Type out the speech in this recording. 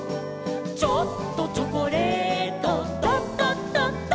「ちょっとチョコレート」「ドドドド」